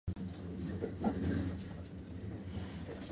長野県上田市